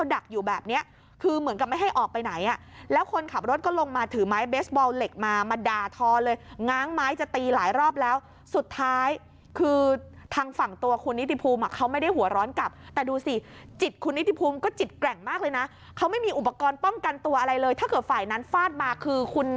ดักอยู่แบบเนี้ยคือเหมือนกับไม่ให้ออกไปไหนอ่ะแล้วคนขับรถก็ลงมาถือไม้เบสบอลเหล็กมามาด่าทอเลยง้างไม้จะตีหลายรอบแล้วสุดท้ายคือทางฝั่งตัวคุณนิติภูมิอ่ะเขาไม่ได้หัวร้อนกลับแต่ดูสิจิตคุณนิติภูมิก็จิตแกร่งมากเลยนะเขาไม่มีอุปกรณ์ป้องกันตัวอะไรเลยถ้าเกิดฝ่ายนั้นฟาดมาคือคุณ